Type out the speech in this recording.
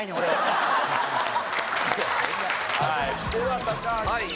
では高橋。